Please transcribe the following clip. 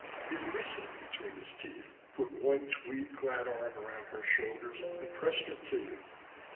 He whistled between his teeth, put one tweed clad arm around her shoulders and pressed her to him.